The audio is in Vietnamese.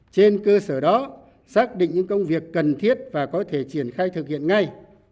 trên cơ sở đó xác định những công việc cần thiết và có thể triển khai thực hiện ngay